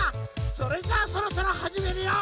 それじゃあそろそろはじめるよ！